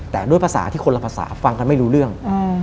แต่ด้วยภาษาที่คนละภาษาฟังกันไม่รู้เรื่อง